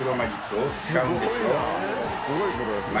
すごいな！